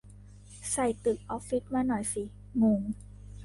ใส่ตึกออฟฟิศมาหน่อยสิ งง